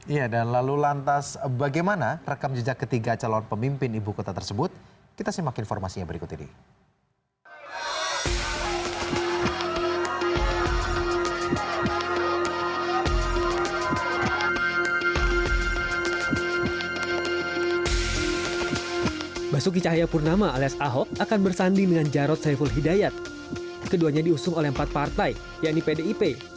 ya dan lalu lantas bagaimana rekam jejak ketiga calon pemimpin ibu kota tersebut kita simak informasinya berikut ini